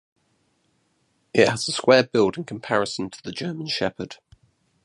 It has a square build in comparison to the German Shepherd.